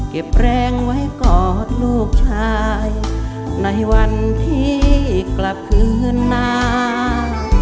เก็บแรงไว้กอดลูกชายในวันที่กลับคืนหน้า